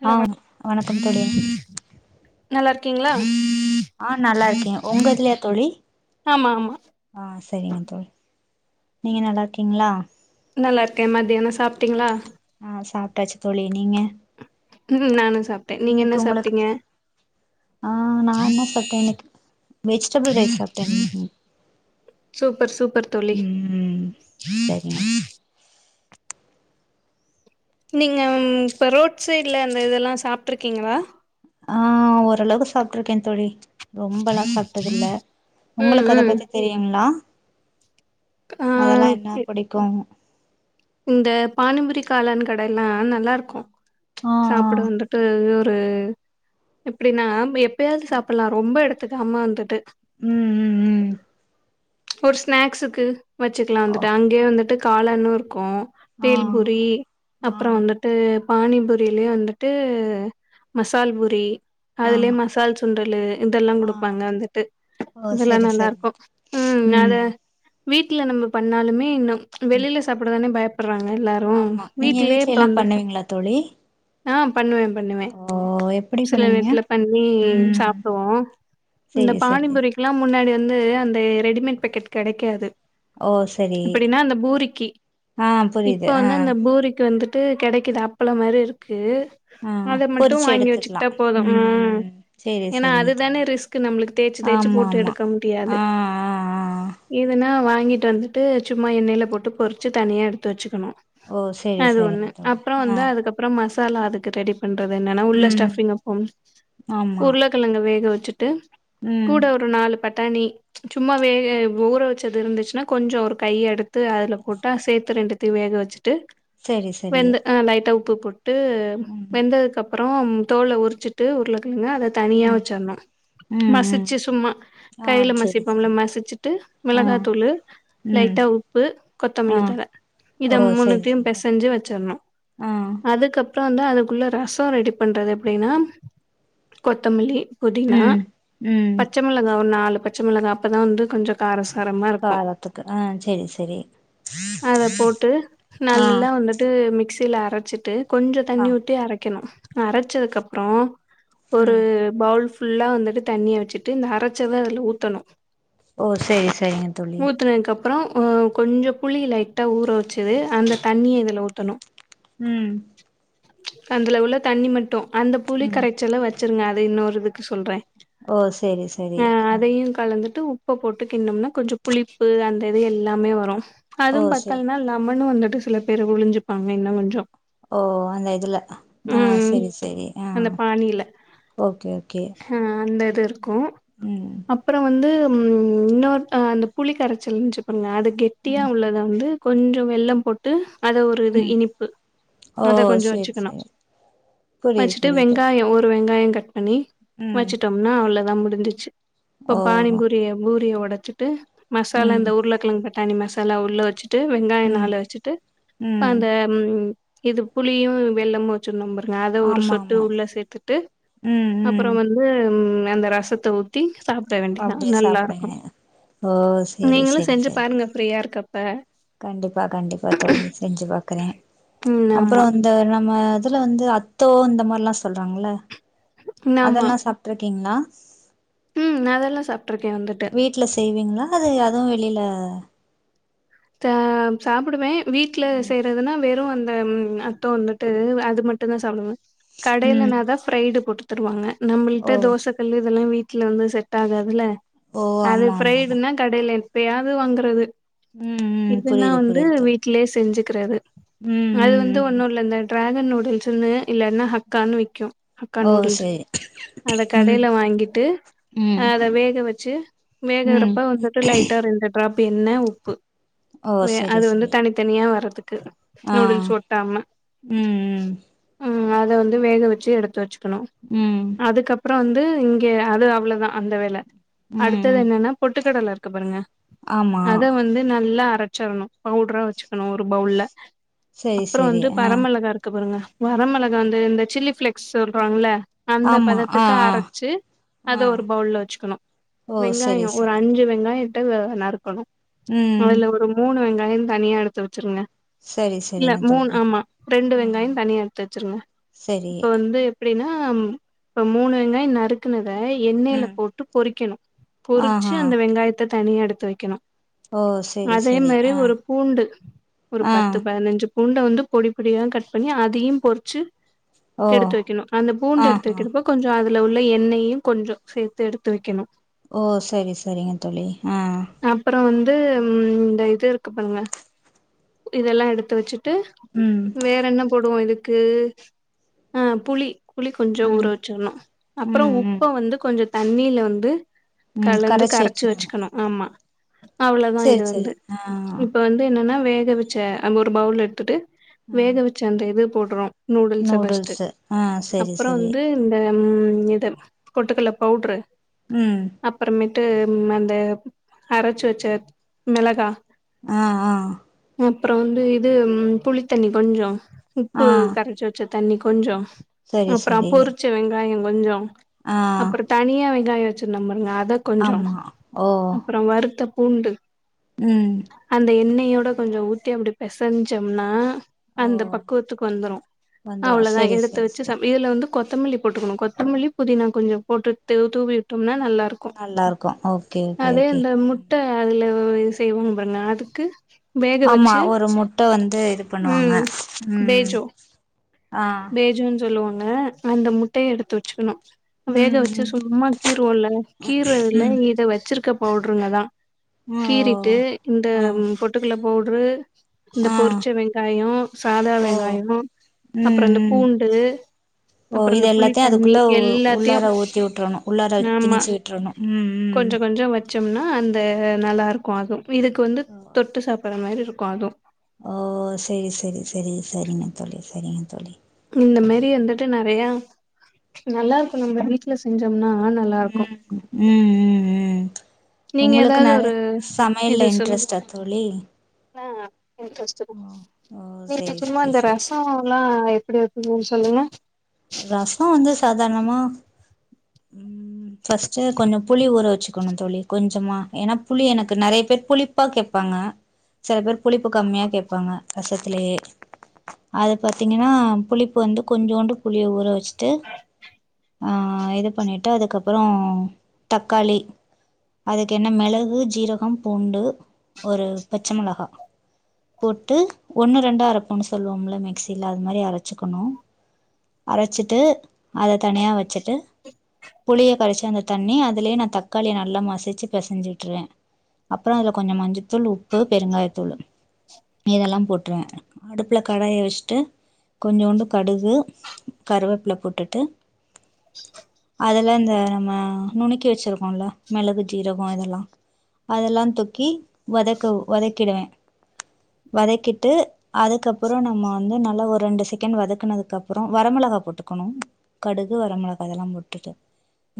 Hello ஆ வண் வணக்கம் தோழி இருக்கீங்ளா ஆ நல்லா இருக்கே உங்க இதுலயா தோழி ஆமா ஆமா ஆ சேரிங்க தோழி நீங்க நல்லா இருக்கீங்களா நல்லா இருக்க மத்தியானோ சாப்டீங்களா ஆ சாப்டாச்சு தோழி நீங்க ம் நானு சாப்ட நீங்க என்ன இன்னைக்கு உங்களுக்கு சாப்டீங்க ஆ நா என்ன சாப்ட்டே இன்னைக்கு வெஜிடபிள் ரைஸ் சாப்ட்டே இன்னைக்கு. சூப்பர் சூப்பர் தோழி ம் சரிங்க நீங்க இப்ப ரோட் சைடுல அந்த இதெல்லாம் சாப்டுருக்கீங்களா ஆ ஓரளவு சாப்டுருக்கேன் தோழி ரொம்பல்லா சாப்டது இல்ல ம் உங்களுக்கு அத ம் பத்தி தெரியுங்களா ஆ அதெல்லா என்ன புடிக்கும்மு இந்த பானிபுரி காளான் கடைல்லா ஆனா நல்லா இருக்கு ஆ ஆ சாப்புட வந்துட்டு ற்று எப்புடினா மேப் எப்பயாது சாப்புல்லா ரொம்ப எடுத் டுக்கு அம்மா வந்துட்டு ம் ம் ம் ஒரு ஸ்நேக்ஸுக்கு வெச்சுக்கலா ஓ வந்துட்டு அங்கயே வந்துட்டு காளநூர் கு ஆ பேல்புரி அப்புறம் ஆ வந்துட்டு பானிபூரியிலயே வந்துட்டு மசால்பூரி ஆ அதுலயே மசால் சுண்டல் இதெல்லா ஆ குடுப்பாங்க வந்துட்டு ஓ இதெல்லா செரி நல்லா செரி இருக்கு உம் அத ம் வீட்ல நம்ம பண்ணாலுமே இன்னும் வெளில இப்பதானே பயப் படுறாங்க எல்லாரு ஆமா நீங்க வீட்லயே வீட்ல இப்ப எல்லா வந்து பண்ணுவீங்களா தோழி நாம் பண்ணுவே பண்ணுவே ஓ எப்டி சில பண்ணுவீங்க நேரத்துல பண்ணி ம் சாப்டுவோ இந்த செரி செரி பாணிபுரிக்கெல்லா முன்னாடி வந்து வந்து அந்த ரெடிமேட் பேக்கெட் கெடைக்காது ஓ செரி அப்படின்னா அந்த பூரிக்கி ஆ இப்ப புரியுது ஆ வந்து அந்த பூரிக்கு வந்துட்டு கெடைக்குது அப்பள மாரி இருக்கு ஆ அத மட்டு பொறிச்சு வாங்கி எடுத்துக்கலா வச்சுக்கிட்டா போது உம் ம் செரி ஏனா செரிங்க அதுதானே தோழி ரிஸ்க் நம்ளுக்கு தேச்சு தேச்சு ஆமா போட்டு ஆமா எடுக்க முடியாது ஆ ஆ ஆ இதுனா வாங்கிட்டு வந்துட்டு சும்மா எண்ணெயில போட்டு பொறி ச்சு தனியா எடுத்து வச்சுக்கணு ஓ செரி அது ஒன்னு செரிங்க தோழி அப்பற ஆ வந்து அதுக்கப்பற மஸ் பாலா அதுக்குரெடி பண்றது என்னன்னா உள்ள ம் ஸ்டிஃபிங்க வைபோ ஆமா உருலக்கெழங்க வேக வச் ச்சுட்டு ம் கூட ஒரு நாலு பட்டாணி சும்மா வே ஊற வச்சது இருந்துச்சுனா கொஞ்ச ஒரு கைய எடுத்து கொட்டா சேத்து ரெண்டு த் வேக வச்சு டு செரி செரி வெந்து ஆ லைட்டா உட் பூபு ட்டு ம் வெந்ததுக்கு அப்பறோ றோ தோல உறிச்சுட்டு உருழக் ன்ன அத தனியா ம் வச்ரணு ம் ம் மசிச்சு சும்மா ஆ கையில செரி மசிப்போம்ல செரி மசிச்சுட்டு ஆ மிளகாத்தூளு ம் லைட்டா உப்பு கொத்தமல்லி ஆ தல இத ஓ செரி மூணுத்தயு செரி பெசஞ்சு வச்சுர்ணு ஆ அதுக்கப் அப்பறோ அதுக்குள்ள ரச ரெடி பண்றது எப்டின்னா கொத்தமல்லி புதினா ம் ம் பச்சமொளகா ஒரு நாலு பச்சமொளகா அப்பதா வந்து கொஞ்ச காரசா காரத்துக்கு அ செரி செரி அத போட்டு ஆ நல்லா வந்துட்டு மிக்ஸில அரச்சுட்டு கொஞ்ச ஆ தண்ணி ஊத்தி அரக்கெணு அரச்சதுக்கப்றொ ஒரு ம் பவுல் ஃபுல்லா வந்துட்டு தண்ணிய வச்சுட்டு இந்த அரச்சத அதுல ஊத்தணு ஓ சேரி செரிங்க தோழி அப்றொ அ கொஞ்ச புளி லைட்டா ஊற வச்சது அந்த தண்ணிய இதுல ஊத்தணு ம் அந்துல உள்ள தண்ணி மட்டு அந்த புளி ம் கரைச்சல வ ச்சிருங்க அது இன்னோரு இதுக்கு சொல்றே ஓ சேரி செரி ஆ ப்ப போட்டு கின்னம்னா கொஞ்ச புளிப்பு அந்த இது எல்லாமே வ ரு ஓ அதும் செரி பத்தல்னா லெமனு வந்து ட்டு சில பேர் வொளுஞ்சுப்பாங்க இன்னங்கொஞ்சொ ஓ அந்த இதுல ஆ செரி செரி ஆ அந்த பானில ஓகே ஓகே திர் கு ம் அப்பற வந்து ம் இன்னோர் அ அந்த புளி கரச்சல் இன்ச்சுப் பருங்க அது கெட் டியா ம் உள்ளத வந்து கொஞ்சொ வெல்லம் போட்டு அத ஒரு இது ம் இனிப்பு ஓ அத கொஞ்ச செரி வச்சுக்கணு செரி புரியுது வச்சுட்டு புரியுது வெங்காய ஒரு வெங்காய க ட் பண்ணி ம் வச்சுட்டொம்னா அவ்ளதா மு டுந்துச்சு இப்ப ஓ பானிபூரிய பூரிய ஒ டச்சுட்டு மசாலா ம் இந்த உருளக்கெழங்க தனி ம சாலா உள்ள வச்சு ட்டு வெங்காய ம் நால வச்சுட்டு ம் அந்த ம் இது புளியு வெள்ளமு வச்சுருந்தம் அத ஒரு ஆமா சொட்டு ஆமா உள்ள சேர்த்துட்டு ம் ம் அப்புறம் வந்து ம் அந்த ரசத்த ஊத்தி சாப்பிட வேண்டிதா அப்டியே நல்லா இருக்கு சாப்டுங்க ஓ சேரி நீங்களு சேரி செஞ்சு சேரி பாருங்க யா இருக்கப்ப கண்டிப்பா கண்டிப்பா தோழி செஞ்சு பாக்குறே ம் அப்புறோ ஆமா இந்த நம்ம அதுல வந்து அத்தோ இந்த மாரிலா சொல்றாங்கள ஆமா அதெல்லா சாப்ட்டு இருக்கீங்களா ம் அதெல்லா சாப்ட்ருக்கே வந்துட்டு வீட்ல செய்வீங்களா ல்ல அதுவு வெளில அ த சாப்பிடுவே வீட்ல ம் செய்றதுனா வெறு அந்த அத்தோ வந்துட்டு வ இதுமட்டு தா சாப்டுவே கடையில ம் ந தா ப்ரைடு போட்டு தருவாங்க ஓ நம்மளிட்ட தோச கல்லு இதெல்லா வீட் வீட்ல வந்து செட் ஆகாதுல்ல ஓ அது ஆமா ஆமா ஆமா ப்ரைடுன்னா கடைளருந் எப்பயாவது வாங்குறது ம் ம் இதுனா புரியுது வந்து புரியுது தோழி வீட்லயே செஞ்சு இருக்கிறது ம் அது வந்து ம் ஒன்னுல இந்த ட்ராகன் நூடுல்ஸ்ன்னு இல்லன்னா ஹக்கானு விக்கு அக்கா ம் ஓ நூடுல்ஸ் சேரி அத ம் கடைல வாங்கிட்டு ம் அத வேக வச்சு ம் வேகறப்ப வந்துட்டு லைட்டா ரெண்டு ட்ராப் பின்ன உப்பு ஓ வெ சரி அது வந்து சரி தனித்தனியா வறுத் ஆ ம் ம் ம் அத வந்து வேக வச்சு எடுத்து வச்சு க்கனு ம் அதுக்கப்ற அப்புறம் வந்து இங்க அது அவ்ளோதா அந்த வேல ம் அடுத்தது ம் என்னன்னா பொட்டுக்கடல இருக்க பாருங்க ஆமா அத வந்து நல்லா அரச்சரணு பவுடரா வெச்சுக்கணு ஒரு பவுல்ல சரி அப்புறோ சரி வந்து ஆ பரமொளகா இருக்கு பாருங்க வரமிளகா வந்து இந்த சில்லி பிளேக்ஸ் சொல்றாங்கள அந்த ஆமா ஆ பதத்துக்கு ஆ அரச்சு அத ஆ ஒரு பவுல்ல வெச்சுக்கணு ஓ சரி வெங்காயோ ஒரு சரி அஞ்சு வெங்காயி ஒட்ட நருக்கணு ம் அதுல ஒரு மூணு வெங் காயோ தனியா எடுத்து வெச்சுருங்க சரி இல்ல சரிங்க மூணு தோழி ஆமா ரெண்டு ஆ வெங்காயம் தனியா எடுத்து வெச்சுருங்க சரி இப்ப வந்து அப்டின்னா இப்ப மூணு வெங்காயம் நருக்குனுது எண்ணெயில ம் போட்டு பொறிக்கணு பொறுச்சு ஆஹா அந்த வெங்காயத்த தனியா எடுத்து வெக்கணு ஓ சரி அதே சரி மாரி ஆ ஒரு பூண்டு ஒரு ஆ பத்து பதனஞ்சு பூண்ட வந்து பொடி பொடியா கட் பண்ணி அதையும் பொறுச்சு ஓ எடுத்து வெக்கணு அந்த பூண்ட எடுத்து ஆஹா வெக்கிறப்போ கொஞ்சோ அது உள்ள உள்ள எண்ணெயும் கொஞ்சோ சேத்து எடுத்து வெக்கணு ஓ சேரி சேரிங்க தோழி ஆ ட்டும் ம் இந்த இது இருக்கு பாருங்க இதெல்லா எடுத்து வெச்சு ட்டு ம் வேற என்ன போடுவோ இதுக் க்கு ஆ புளி புளி கொஞ்சோ ஊற ம் வெச்சுருணு அப்புறோ ம் ம் உப்ப வந்து கொஞ்சத் தண்ணில வந்து ம் கலந்து கரைச்சி கரச்சு வச்சுக்கணு வெச்சுக்கணு ஆமா அவ்ளோதா இது சரி இது சரி வந்து ஆ இப்ப வந்து என்னன்னா வேக வெச்ச ஒரு பவுல் எடுத்துட்டு ஆ வேக வெச்ச அந்த இது போட்டுறோ நூடுல்ஸ ஃபஸ்ட்டு நூடுல்ஸு ஆ சரி அப்புறோ சரி வந்து இந்த ம் இது பொட்டுக்கல்ல பவுடுரு ம் டு அந்த அரச்சு வெச்ச மிளகா அ ஆ அப்ற வந்து இது ம் புளித்தண்ணி கொஞ்சொ உப்பு ஆ கரச்சு வச்ச தண்ணி கொஞ்சொ சரி அப்ற சரி பொறுச்ச வெங்காயம் கொஞ்சொ ஆ அப்ற தனியா வெ ங்காய வச்சுருந்தம் பாருங்க அ த கொஞ்சொ ஆமா ஓ அப்ற வறுத்த பூண்டு ம் யோட கொஞ்ச ஊத்தி அப்டி பெசஞ்சம்னா ஓ அந்த பக்குவத்துக்கு வந்துரு வந்துரு அவ்ளதா செரி எடுத்து செரி வச்சு செரி சம் இதுல வந்து கொத்தமல்லி போட்டுக்கணு கொத்தமல்லி புதினா கொஞ்ச போட்டு தூ தூவிவுட்ட ம்னா நல்லாருக்கு நல்லாருக்கு ஓகே ஓகே அதே ஓகே அந்த முட்ட அதுல ஓ இது செய்வொங்தான அதுக்கு வேக ஆமா வச்சு ஒரு முட்ட வந்து இது பண்ணுவாங்க ம் ம் பேஜோ ஆ ங்க அந்த முட்டய எடுத்து வச்சுக்கணு வேக ம் வச்சு ம் சும்மா கீறுவோல்லங்க கீற இதுல ம் இத வச்சுருக்க போட்றுங்கதா ம் ஓ கீறிட்டு இந்த ஆ ம் பொட்டுக்கல்ல போட்று இந்த ஆ பொறுச்ச வெங்காயொ சாதா ஓ வெங்காயொ அப்ற ம் இந்த ம் பூண்டு ஓ அப்ற இது இந்த எல்லாத்தையு புளித்தண்ணி அதுக்குள்ள உ எல்லாத்தையு உள்ளார ஊத்தி விட்றணு உள்ளார நாமா திணிச்சு விட்றணு ம் கொஞ்ச ம் கொஞ்சொ வ ச்சொம்னா அந்த நல்லாருக்கு அது இதுக்கு வந்து ஓ தொட்டு சாப் புர மாரி இருக்கு அது ஓ செரி செரி செரி செரிங்க தோழி செரிங்க தோழி இந்த மாரி வந்துட்டு நறைய நல்லாருக்கு நம்ப வீட்ல செஞ்சொம்னா ம்‌ ம் ம் ம் நீங்க உங்களுக்கு ஏதாவது நறைய ஒரு இது சமையல்ல சொல்லுங் இன்ட்ரெஸ்டா தோழி ஆ ஓ [inaudible] செரி சும்மா செரி இந்த செரி ரசோல்லா எ ப்பிடி வப்பிங்கன் சொல்லுங்க ரச வந்து சாதாணமா ம் ஃபஸ்ட்டு கொஞ்ச புளி ஊற வச்சுக்கணு தோழி கொஞ்சமா ஏன்னா புளி எனக்கு நறைய பேர் புளிப்பா கேப்பாங்க செல பேர் புளிப்பு கம்மியா கேப்பாங்க ரசத்திலயே அது பாத்தீங்கனா புளிப்பு வந்து கொஞ்சோன்டு புளிய ஊற வச்சுட்டு அ இது பண்ணிட்டு அதுக்கப்புறோ தக்காளி அதுக்கு என்ன மிளகு ஜீரகம் பூண்டு ஒரு பச்ச மிளகா போட்டு ஒன்னு ரெண்டா அரப்போன்னு சொல்லுவோம்ல மிக்சியில அது மாதிரி அரைச்சிக்கணு அரச்சிட்டு அத தனியா வச்சுட்டு புளிய கரச்சு அந்த தண்ணி அதுலயே நா தக்காளிய நல்லா மசிச்சு பெசஞ்சுட்டுருவே அப்புறோ அதுல கொஞ்சம் மஞ்சத்தூள் உப்பு பெருங்காயத்தூளு இதெல்லா போட்டுருவே அடுப்புல கடாய வச்சுட்டு கொஞ்சோண்டு கடுகு கருவேப்ல போட்டுட்டு அதல்லா இந்த ம நுணுக்கி வச்சருக்கோம்ல மிளகு ஜீரகோ இதெல்லா அதெல்லா தூக்கி வதக்க வதக்கிடுவே வதக்கிட்டு அதுக்கப்புறோ நம்ம வந்து நல்லா ஒரு ரெண்டு செகண்ட் வதக்கனதுக்கப்புறோ வரமிளகா போட்டுக்கணு கடுகு வரமிளகா அதெல்லா போட்டுட்டு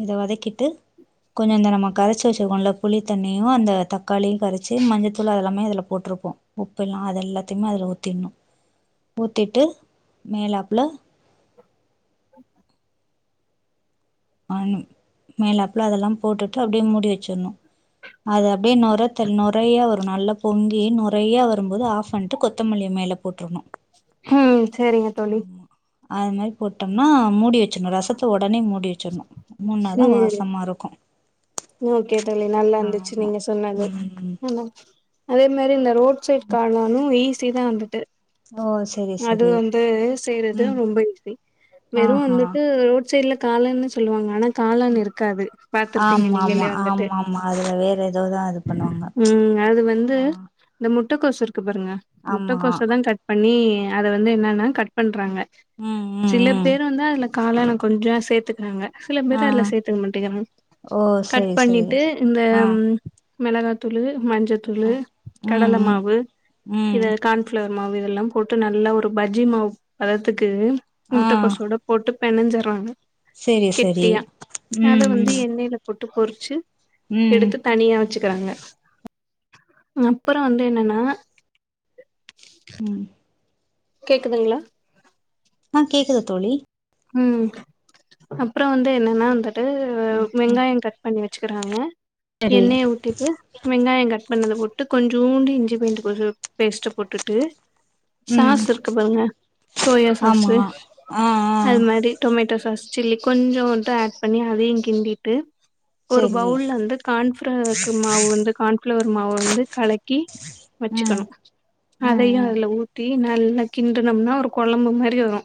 இத வதக்கிட்டு கொஞ்சோ இந்த நம்ம கரச்சி வச்சுருக்கோண்ல புளித்தண்ணியு அந்த தக்காளியு கரச்சி மஞ்சள்த்தூள் அதெல்லாமே அதுல போட்டிருப்போ உப்புெல்லா அது எல்லாத்தையுமே அதுல ஊத்திடுணு ஊத்திட்டு மேலாப்ல அ [unintelligible] ஆ மேல அப்புல அதெல்லா போட்டுட்டு அப்படியே மூடி வச்சிடணு அது அப்டியே நொரத்தள் நொறையா வரு நல்லா பொங்கி நொறையா வரும்போது ஆஃப் பண்ட்டு கொத்தமல்லிய மேல போட்டுருணு ஹ்ம் சரிங்க தோழி போட்டம்னா மூடி வச்சுணு ரசத்த உடனே மூடி வச் ச்சனு மூன்னாதா ம் வாசமா இருக்கு ஓகே தோழி நல்லா இருந்துச்சு ஆமா நீங்க சொன்னது ம் [unintelligible] அதே மாரி இந்த ரோட் சைட் காணானு ஈஸ்ட் ரிதா வந்துட்டு ஓ செரி அது செரி வந்து செய்றது ம் ரொம்ப ஈஸி வெறு ஆஹா வந்துட்டு ரோட் சைட்ல காலான்னு சொல்லுவாங்க ஆனா காளான் இருக்காது பா்த்திருப்பீங்க ஆமா ஆமா நீங்களே வந்துட்டு ஆமா ஆமா அதுல வேற ஏதோதா இது பண்ணுவாங்க ம் அது வந்து ஆ இந்த முட் முட்டகோஷ்ருக் ருக்பாருங்க ஆமா முட்டக்கோச தா கட் னி அத வந்து என்னன்னா கட பண்றாங்க ம் ம் சில ம் பேர் வந்து அதுல காளான கொஞ்ச சேர்த்துக்கிறாங்க சில ஆ பேர் அதுல சேர்த்துக்க மாட்டேங்கிறாங்க ஓ கட் செரி செரி பண்ணிட்டு இந்த ஆ மெளகாத்தூளு மஞ்சத்தூளு ம் ம் கடல ம் மாவு ம் இத கான்ஃபிளவர் மாவு எல்லாம் போட்டு நல்ல ஒரு பஜ்ஜி மாவு அதாவது கு முட்டகொசோட போட்டு பெனஞ்சிர்ராங்க சரி சரி ம் ம் ட்டு பொரிச்சு ம் எடுத்து தனியா வச்சு விக்கறாங்க அப்புறோ வந்து என்னன்னா ம் கேக்குதுங்களா ஆ கேக்குது தோழி உம் அப்புறோ வந்து என்னன்னா வந்து ட்டு ம் ம் வெங்காயோ கட் பண்ணி வச் சுக்கறாங்க சரி எண்ணய ஊத்திட்டு வெங்காயோ கட் பண்ணத போட்டு கொஞ்சூண்டு இஞ்சி பூண்டு கொஞ்சோ பேஸ்ட்ட போட்டுட்டு ம் சாஸு இருக்க பாருங்க சோயா ஆமா சாஸு ஆ ஆ அது மாரி டொமேட்டோ சாஸ் சில்லி கொஞ்சோண்டு ஆட் பண்ணி அதையு கிண்டிட்டு ஒரு சரி பவுல்ல வந்து கான்ஃபளேவருக்கு மாவு வந்து கான்ஃப்ளவர் மாவ வந்து கலக்கி ம் வச்சுக்கணு ம் அதையு ம் அதுல ஊத்தி நல் லா கிண்டுனம்னா ஒரு கொழம்பு மாரி வரு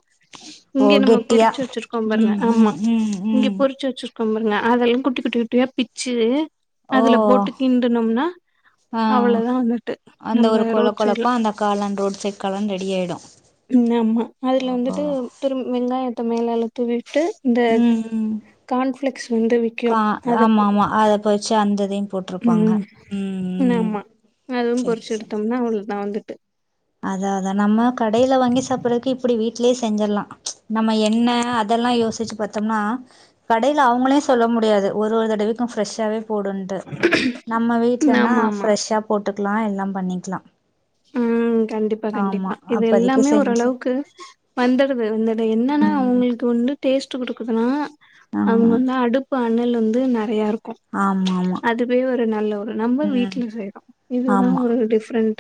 ஓ இங்க நம்ம கெட்டியா பொரிச்சு வச்சிருக்கோ பாருங்க ம் ஆமா ம் ம் இங்க ம் பொரிச்சு வச்சிரு க்கோமல்ல அதயு குட்டி குட்டி குட்டியா பிச்சு ஓ அதுல போட்டு கிண்டுனோம்னா ஆ அவ்ளவுதா வந்துட்டு அந்த நம்ம ஒரு கொழ ரோட் சைட்ல கொழப்பா அந்த காளான் ரோட் சைட் காளான் ரெடி ஆயிடு ன்னா ஆமா அதுல வந்துட்டு ஓ வெங்காயத்த மேலால தூவி ட்டு இந்த ம் ம் கான்ஃபிளெக்ஸ் வந்து விக்கு கா அத ஆமா போ ஆமா அத பொறிச்சு அந்த இதையு போட்ருப்பாங்க ம் ம் ம் ஆமா அதுவு பொரிச்சு எடுத்தோம்னா அவ்ளதா வந்து அதா தா நம்ம கடைல வாங்கி சாப்படறதுக்கு இப்படி வீட் லயே செஞ்சிரலா நம்ம என்ன அதெல்லா யோசிச்சு பாத்தோம்னா கடைல அவங்களே சொல்ல முடியாது ஒரு ஒரு தடவைக்கு ப்ரெஷ்ஷாவே போடுன்ட்டு நம்ம வீட்லனா ஆமா ஆமா ப்ரெஷ்ஷா போட் டுக்கலா எல்லாம் பண்ணிக்கலா ம் கண்டிப்பா ஆமா கண்டிப்பா இது அப்பதைக்கு எல்லாமே செஞ்சு ஓரளவுக்கு வந்துடுது இதுல என்னன்னா ம் அவங்களுக்கு வந்து டேஸ்ட் டு குடுக்குதுனா ஆ அவங்க வந்து அடுப்ப அன்னைல இருந்து நெறையா இருக் ஆமா ஆமா நல்ல ஒரு நம்ம ம் வீட்ல செய்யறோ இதுதா ஆமா ஒரு டிஃப்ரெண்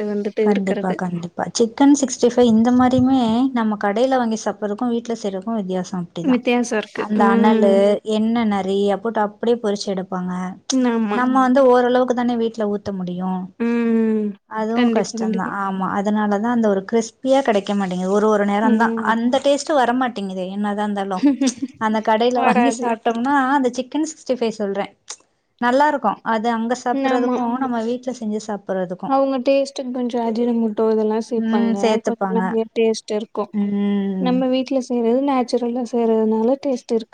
கண்டிப்பா கண்டிப்பா சிக்கன் சிக்ஸ்டி ஃபைவ் இந்த மாரியுமே நம்ம கடைல வாங்கி சாப்படறக்கு வீட்ல செய்யறக்கு வித்தியாசோ அப்டிதா வித்தியாசோ இருக்கு அந்த அனலு ம் எண்ண நெறைய போட்டு அப் அப்டியே பொரிச்சு எடு ப்பாங்க ம் ஆமா நம்ம வந்து ஓரளவு இப்பதானெ வீட்ல ஊ த்த முடியு ம் அதுவு கஷ் கண்டிப்பா டந்தா கண்டிப்பா ஆமா அதுனால ஆனா அந்த ஒரு கிரிஸ்பியா கெடைக்க மாட் டெங்கிது ஒரு ஒரு நேரந்தா ம் அந்த டேஸ்ட்டு வர மாட் டிங்கிதே என்னதா இந்தாலு அந்த கடைல வாங்கி வராது சாப்டம்னா அது சிக்கன் சிக்ஸ்டி ஃபை சொல்றே நல்லாருக்கு அது அங்க சாப்புறதுக்கு நம்ம வீட்ல செஞ்சு சாப் அவுங்க டேஸ்ட்டு கொஞ்சொ அஜினமொட்டோ இதெல்லா ம் சேப்பாங்க கொஞ்ச சேத்துப்பாங்க. நல்ல டேஸ்ட் இருக்கு ம் நம்ம வீட்ல செய்றது நா [unintelligible] செய்றதுனால டேஸ்ட் இருக்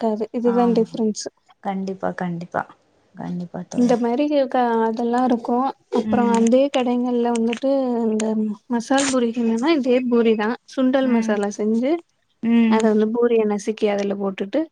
ஆமா கண்டிப்பா கண்டிப்பா கண்டிப்பா தோழி க்கா அதல்லாரு க்கு அப்பற ம் வந்து கடைங்கள்ல வந்து ட்டு இந்த மசால் பூரிகென்னனா இதே பூரிதா சுண்டல் ம் மசாலா செஞ்சு அத ம் வந்து பூரிய நசு க்கி அதுல போட்டுட்டு